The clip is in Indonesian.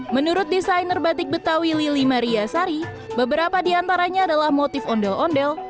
menurut desainer batik betawi lili maria sari beberapa diantaranya adalah motif ondel ondel